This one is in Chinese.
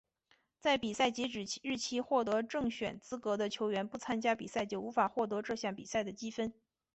在入赛截止日期获得正选资格的球员不参加比赛就无法获得这项比赛的积分。